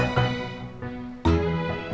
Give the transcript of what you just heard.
udah mau ke rumah